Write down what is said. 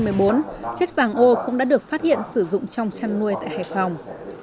năm hai nghìn một mươi bốn chất vàng ô cũng đã được phát hiện sử dụng trong chăn nuôi tại hải phòng